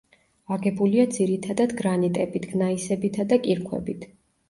აგებულია ძირითადად გრანიტებით, გნაისებითა და კირქვებით.